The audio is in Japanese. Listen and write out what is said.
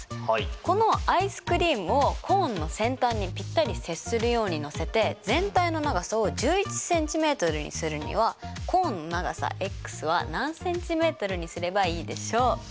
このアイスクリームをコーンの先端にぴったり接するようにのせて全体の長さを１１ｃｍにするにはコーンの長さｘは何ｃｍにすればいいでしょう？